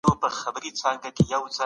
سنګر